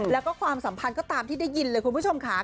แล้วก็ความสัมพันธ์ก็ตามที่ได้ยินเลยคุณผู้ชมค่ะ